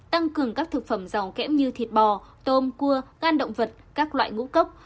tăng cường các thực phẩm giàu kém như thịt bò tôm cua gan động vật các loại ngũ cốc